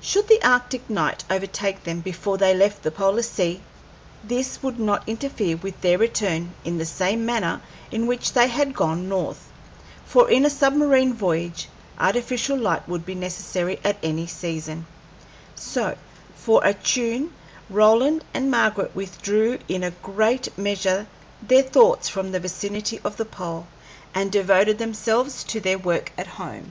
Should the arctic night overtake them before they left the polar sea, this would not interfere with their return in the same manner in which they had gone north, for in a submarine voyage artificial light would be necessary at any season. So, for a tune, Roland and Margaret withdrew in a great measure their thoughts from the vicinity of the pole, and devoted themselves to their work at home.